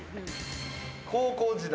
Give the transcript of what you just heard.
高校時代。